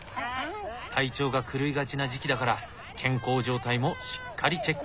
体調が狂いがちな時期だから健康状態もしっかりチェック。